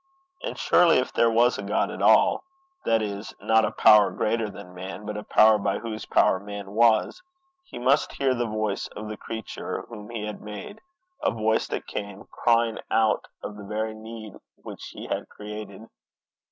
And surely, if there was a God at all, that is, not a power greater than man, but a power by whose power man was, he must hear the voice of the creature whom he had made, a voice that came crying out of the very need which he had created.